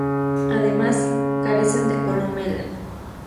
Además, carecen de columela.